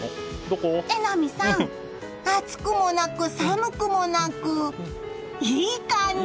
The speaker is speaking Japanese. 榎並さん、暑くもなく寒くもなくいい感じ！